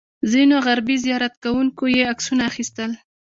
ځینو غربي زیارت کوونکو یې عکسونه اخیستل.